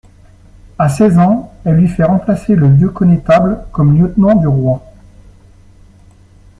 À seize ans, elle lui fait remplacer le vieux connétable comme lieutenant du roi.